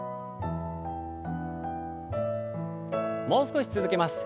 もう少し続けます。